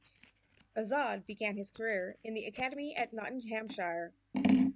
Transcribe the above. Azad began his career in the academy at Nottinghamshire.